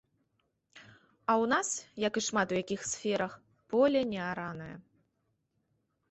А ў нас, як і шмат у якіх сферах, поле неаранае.